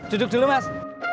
duduk dulu mas